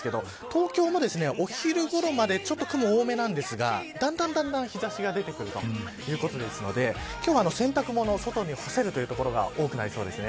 東京も、お昼ごろまで雲が多めですがだんだん日差しが出てくるということですので今日は洗濯物を外に干せる所が多くなりそうです。